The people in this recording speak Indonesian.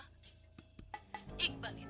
tapi kok sepertinya